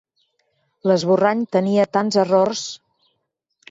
L'esborrany tenia tants errors.